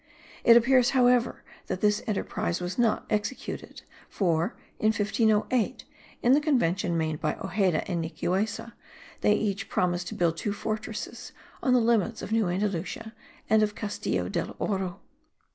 It appears, however, that this enterprise was not executed; for, in 1508, in the convention made by Ojeda and Nicuessa, they each promised to build two fortresses on the limits of New Andalusia and of Castillo del Oro.